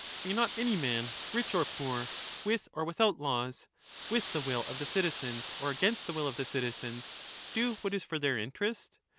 May not any man, rich or poor, with or without laws, with the will of the citizens or against the will of the citizens, do what is for their interest